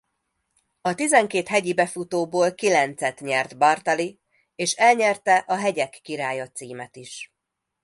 A tizenkét hegyi befutóból kilencet nyert Bartali és elnyerte a hegyek királya címet is.